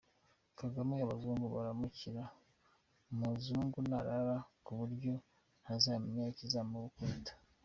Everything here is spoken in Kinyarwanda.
Kagame abazungu baramukina mzungu anarara kuburyo ntazamenya ikizamukubita.